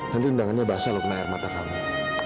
nanti undangannya basah loh kena air mata kamu